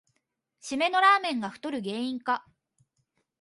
しめのラーメンが太る原因か